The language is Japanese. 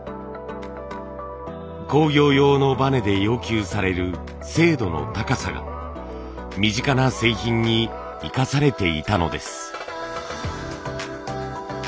工業用のバネで要求される精度の高さが身近な製品に生かされていたのです。